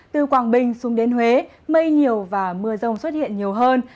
từ quảng bình xuống đến huế mây nhiều và mưa rông xuất hiện nhiều hơn